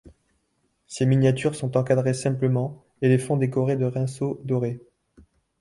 Ses miniatures sont encadrées simplement et les fonds décorés de rinceaux dorés.